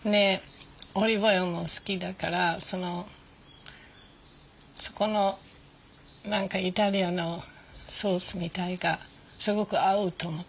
オリーブオイルも好きだからそこの何かイタリアのソースみたいがすごく合うと思って。